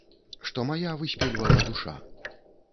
Што мая выспельвала душа.